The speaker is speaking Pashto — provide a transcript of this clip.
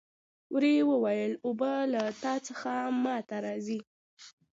وري وویل اوبه له تا څخه ما ته راځي.